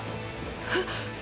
えっ？